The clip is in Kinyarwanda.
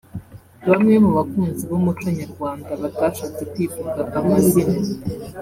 Bamwe mu bakunzi b’umuco nyarwanda batashatse kwivuga amazina